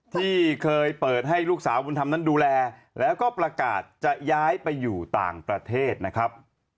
ที่เคยเปิดให้ลูกสาวบุญธรรมนั้นดูแลแล้วก็ประกาศจะย้ายไปอยู่ต่างประเทศนะครับ